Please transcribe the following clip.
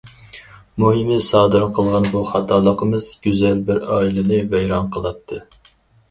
مۇھىمى سادىر قىلغان بۇ خاتالىقىمىز گۈزەل بىر ئائىلىنى ۋەيران قىلاتتى.